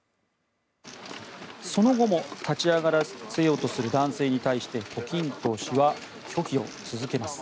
その後も立ち上がらせようとする男性に対して胡錦涛氏は拒否を続けます。